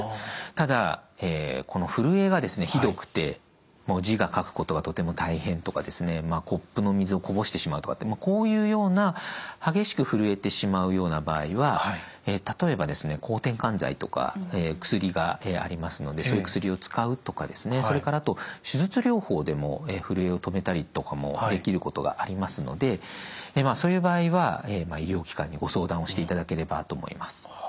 ただこのふるえがひどくて字が書くことがとても大変とかコップの水をこぼしてしまうとかこういうような激しくふるえてしまうような場合は例えば抗てんかん剤とか薬がありますのでそういう薬を使うとかそれからあと手術療法でもふるえを止めたりとかもできることがありますのでそういう場合は医療機関にご相談をしていただければと思います。